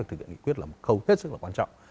việc thực hiện nghị quyết là một khâu rất là quan trọng